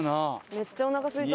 めっちゃおなかすいた。